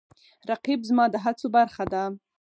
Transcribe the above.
رقیب زما د هڅو برخه ده